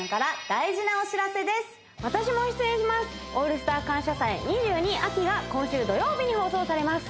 「オールスター感謝祭’２２秋」が今週土曜日に放送されます